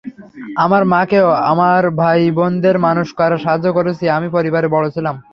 আমার মাকেও আমার ভাই বোনদের মানুষ করায় সাহায্য করেছি, আমি পরিবারের বড় ছিলাম!